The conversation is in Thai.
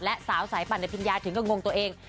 และสาวสายปั่นในพิญญาถึงก็งงตัวเอง